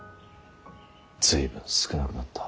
随分少なくなった。